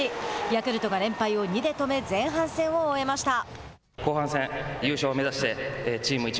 ヤクルトが連敗を２で止め前半戦を終えました。